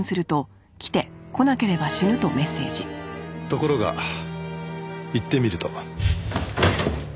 ところが行ってみると。